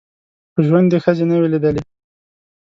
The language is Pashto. په ژوند یې ښځي نه وې لیدلي